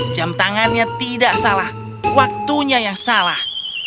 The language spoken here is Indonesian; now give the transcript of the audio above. jam tangannya tidak salah waktunya yang salah